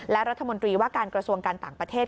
และรัฐมนตรีว่าการกระทรวงการต่างประเทศ